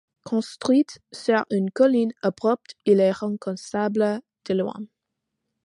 Construite sur une colline abrupte, elle est reconnaissable de loin.